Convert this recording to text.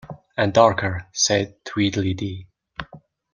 ‘And darker,’ said Tweedledee.